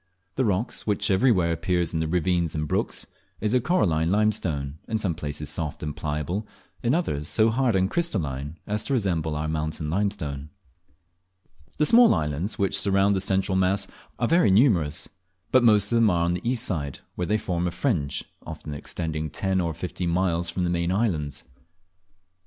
The rock which everywhere appears in the ravines and brooks is a coralline limestone, in some places soft and pliable, in others so hard and crystalline as to resemble our mountain limestone. The small islands which surround the central mass are very numerous; but most of them are on the east side, where they form a fringe, often extending ten or fifteen miles from the main islands.